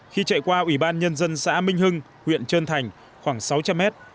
khi chạy qua ủy ban nhân dân xã minh hưng huyện trơn thành khoảng sáu trăm linh mét